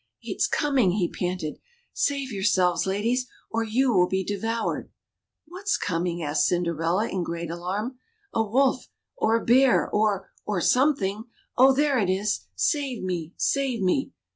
^^It's coming!" he panted; save yourselves, ladies, or you will be devoured." ^AVhat's coming?" asked Cinderella, in great alarm. A wolf ! or a bear 1 or — or something 1 Oh 1 there it is! Save me! save me!"